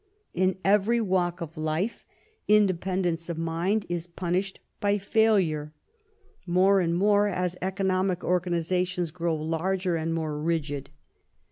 In every walk of life, independence of mind is punished by failure, more and more as economic organizations grow larger and more rigid.